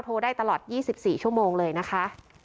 โทรได้ตลอดยี่สิบสี่ชั่วโมงเลยนะคะ